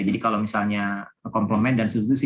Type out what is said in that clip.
jadi kalau misalnya komplement dan substitusi